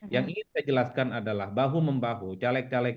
yang ingin saya jelaskan adalah bahu membahu caleg caleg